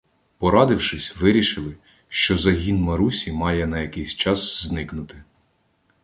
Порадившись, вирішили, що "загін Марусі" має на якийсь час зникнути.